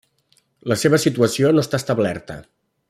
La seva situació no està establerta.